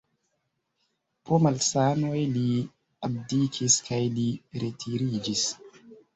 Pro malsanoj li abdikis kaj li retiriĝis.